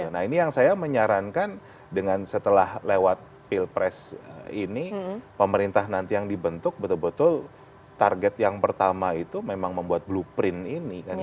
nah ini yang saya menyarankan dengan setelah lewat pilpres ini pemerintah nanti yang dibentuk betul betul target yang pertama itu memang membuat blueprint ini